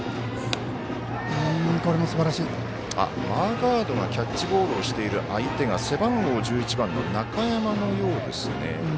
マーガードがキャッチボールをしている相手が背番号１１番の中山のようですね。